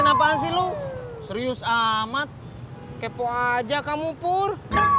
bikin apaan sih lo serius amat kepo aja kamu pur